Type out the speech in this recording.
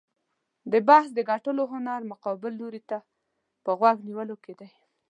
د بحث د ګټلو هنر مقابل لوري ته په غوږ نیولو کې دی.